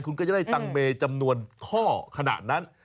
คุณก็จะได้ตังค์เมย์จำนวนท่อขนาดนั้น